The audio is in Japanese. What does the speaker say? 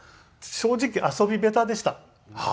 正直遊び下手でした。